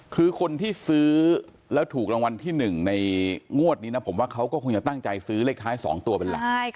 คือคนที่ซื้อแล้วถูกรางวัลที่๑ในงวดนี้นะผมว่าเขาก็คงจะตั้งใจซื้อเลขท้าย๒ตัวเป็นหลัก